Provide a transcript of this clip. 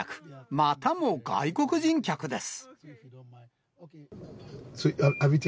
またも外国人客です。